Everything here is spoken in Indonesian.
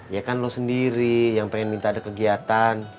ya kan lo sendiri yang pengen minta ada kegiatan